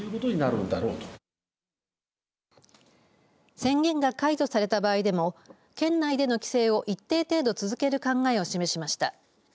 宣言が解除された場合でも県内での規制を行って一定程度続ける考えを示しました。